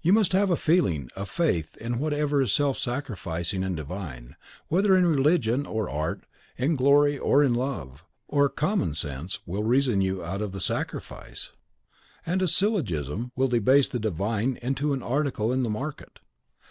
You must have a feeling, a faith in whatever is self sacrificing and divine, whether in religion or in art, in glory or in love; or Common sense will reason you out of the sacrifice, and a syllogism will debase the Divine to an article in the market.